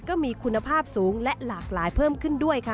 ก็มีคุณภาพสูงและหลากหลายเพิ่มขึ้นด้วยค่ะ